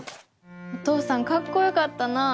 お父さんかっこよかったなあ。